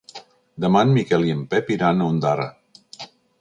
Demà en Miquel i en Pep iran a Ondara.